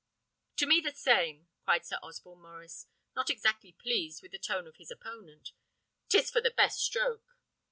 "To me the same!" cried Sir Osborne Maurice, not exactly pleased with the tone of his opponent. "'Tis for the best stroke."